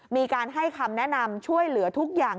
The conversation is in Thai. มีการให้คำแนะนำช่วยเหลือทุกอย่าง